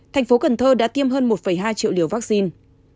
thành phố cần thơ đã tiêm hơn một hai triệu liều vaccine